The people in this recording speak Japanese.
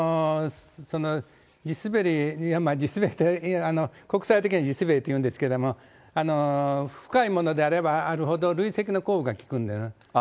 地滑り、国際的には地滑りというんですけども、深いものであればあるほど、累積の降雨が聞くんですね。